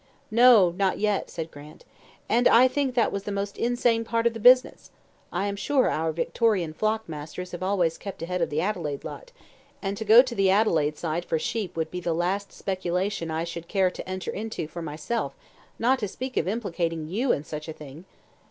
"No, not yet," said Grant; "and I think that was the most insane part of the business. I am sure our Victorian flock masters have always kept ahead of the Adelaide lot; and to go to the Adelaide side for sheep would be the last speculation I should care to enter into for myself, not to speak of implicating you in such a thing.